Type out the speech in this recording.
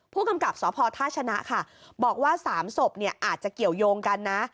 ผู้กำกับสพท่าชนะค่ะบอกว่า๓ศพอาจจะเกี่ยวยงกันนะ